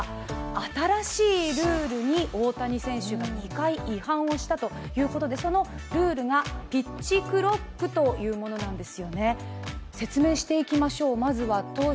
新しいルールに大谷選手が２回違反をしたということでそのルールがピッチクロックというものなんです。